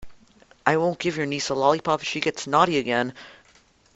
I won't give your niece a lollipop if she gets naughty again.